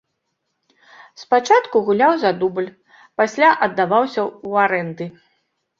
Спачатку гуляў за дубль, пасля аддаваўся ў арэнды.